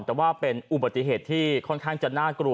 แต่ว่าเป็นอุบัติเหตุที่ค่อนข้างจะน่ากลัว